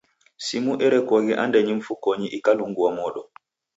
Simu erekoghe andenyi mfukonyi ikalungua modo.